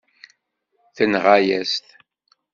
Tenɣa-yas-t.